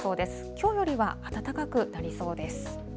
きょうよりは暖かくなりそうです。